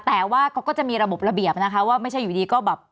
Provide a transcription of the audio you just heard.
แต่ว่าเขาก็จะมีระบบระเบียบนะคะว่าไม่ใช่อยู่ดีก็แบบ